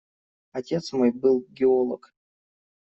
Отец мой был геолог.